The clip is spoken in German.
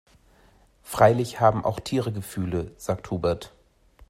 Freilich haben auch Tiere Gefühle, sagt Hubert.